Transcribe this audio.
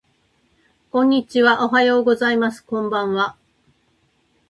こんにちはおはようございますこんばんは